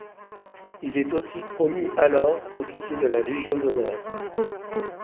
Il est aussi promu alors officier de la Légion d'honneur.